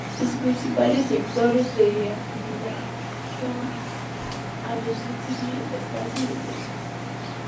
Sus principales sectores de actividad son aviación civil, espacio y defensa.